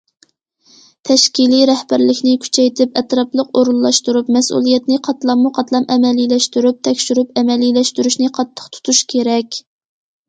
تەشكىلىي رەھبەرلىكنى كۈچەيتىپ، ئەتراپلىق ئورۇنلاشتۇرۇپ، مەسئۇلىيەتنى قاتلاممۇ قاتلام ئەمەلىيلەشتۈرۈپ، تەكشۈرۈپ ئەمەلىيلەشتۈرۈشنى قاتتىق تۇتۇش كېرەك.